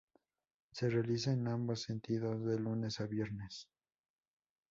Se realiza en ambos sentidos de lunes a viernes.